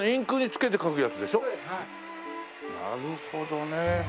なるほどね。